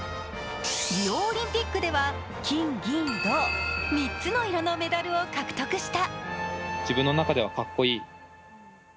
リオオリンピックでは金・銀・銅、３つの色のメダルを獲得した。